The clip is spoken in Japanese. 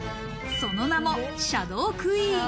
その名もシャドークイーン。